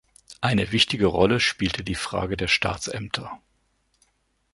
Eine wichtige Rolle spielte die Frage der Staatsämter.